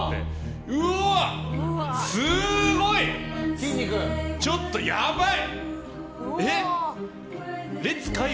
うわっ、すごい！ちょっとやばい！